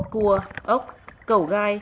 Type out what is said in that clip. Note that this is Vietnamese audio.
cua ốc cầu gai